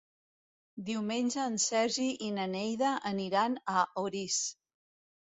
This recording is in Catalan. Diumenge en Sergi i na Neida aniran a Orís.